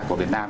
của việt nam